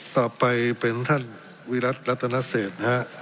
ต่อไปเป็นท่านวิรัติรัตนเศษนะฮะ